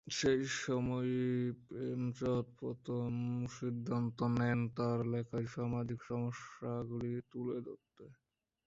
সেই সময়ই প্রেমচাঁদ প্রথম সিদ্ধান্ত নেন তার লেখায় সামাজিক সমস্যাগুলি তুলে ধরতে।